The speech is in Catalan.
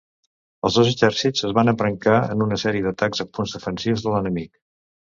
Els dos exèrcits es van embrancar en una sèrie d'atacs a punts defensius de l'enemic.